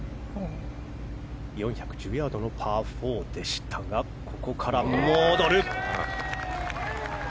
４１０ヤードのパー４でしたがここから戻る。